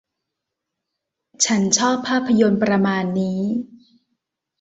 ฉันชอบภาพยนตร์ประมาณนี้